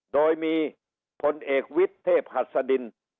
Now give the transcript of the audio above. โดยมีพลเอกวิทย์เทพหัสดิน